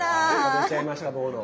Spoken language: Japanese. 出ちゃいましたボーノ。